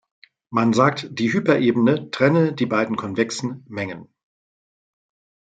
Man sagt, die Hyperebene trenne die beiden konvexen Mengen.